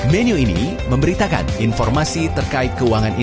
menu ini memberitakan informasi terkait keuangan inklusif di dalam dan luar negeri